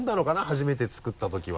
初めて作ったときは。